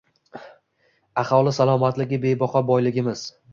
Aholi salomatligi bebaho boyligimiz.